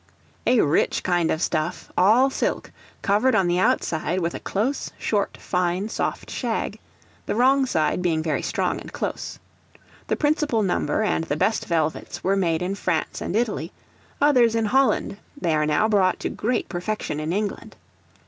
A rich kind of stuff, all silk, covered on the outside with a close, short, fine, soft shag; the wrong side being very strong and close. The principal number, and the best velvets, were made in France and Italy; others in Holland; they are now brought to great perfection in England.